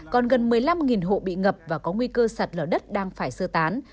còn gần một mươi năm hộ bị ngập và có nguy cơ sạt lở đất đang phải sơ tán